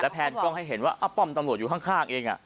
แพนกล้องให้เห็นว่าป้อมตำรวจอยู่ข้างเอง